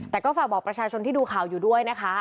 แต่ก็ฝากบอกประชาชนที่ดูข่าวอยู่ด้วยนะคะ